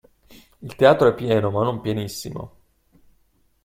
Il teatro è pieno ma non pienissimo.